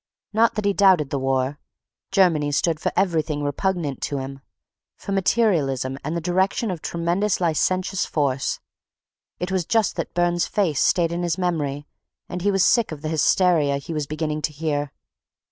Not that he doubted the war—Germany stood for everything repugnant to him; for materialism and the direction of tremendous licentious force; it was just that Burne's face stayed in his memory and he was sick of the hysteria he was beginning to hear.